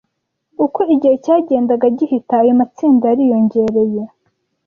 Uko igihe cyagendaga gihita ayo matsinda yariyongereye